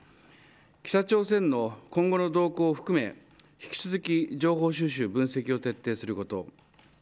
北朝鮮の今後の動向を含め引き続き情報収集分析を徹底すること。